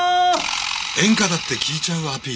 演歌だって聴いちゃうアピール。